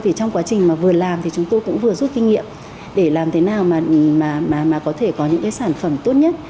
trong quá trình vừa làm chúng tôi cũng vừa rút kinh nghiệm để làm thế nào có thể có những sản phẩm tốt nhất